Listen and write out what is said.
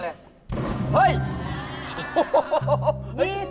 ๑นาที๒๐วิ